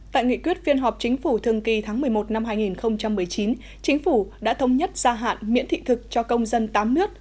tại nghị quyết phiên họp chính phủ thường kỳ tháng một mươi một năm hai nghìn một mươi chín chính phủ đã thống nhất gia hạn miễn thị thực cho công dân tám nước